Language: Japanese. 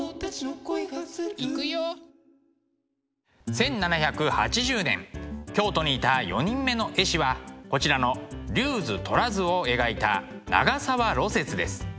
１７８０年京都にいた４人目の絵師はこちらの「龍図」「虎図」を描いた長沢雪です。